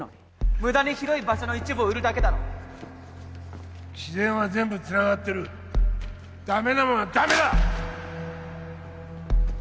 無駄に広い場所の一部を売るだけだろ自然は全部つながってるダメなもんはダメだ！